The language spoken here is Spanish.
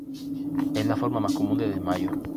Es la forma más común de desmayo.